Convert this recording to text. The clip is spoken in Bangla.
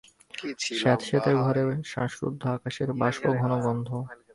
স্যাঁতসেতে ঘরে শ্বাসরুদ্ধ আকাশের বাষ্পঘন গন্ধ।